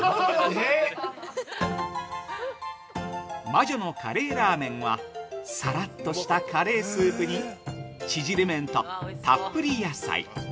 ◆魔女のカレーラーメンは、さらっとしたカレースープにちぢれ麺とたっぷり野菜。